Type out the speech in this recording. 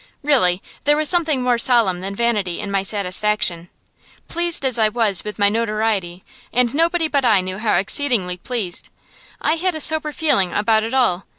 Really, there was something more solemn than vanity in my satisfaction. Pleased as I was with my notoriety and nobody but I knew how exceedingly pleased I had a sober feeling about it all.